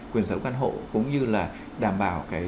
quyền sở hữu căn hộ cũng như là đảm bảo